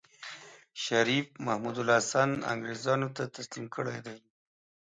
شريف محمودالحسن انګرېزانو ته تسليم کړی دی.